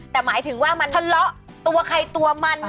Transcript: แต่หมายถึงว่ามันทะเลาะตัวใครตัวมัน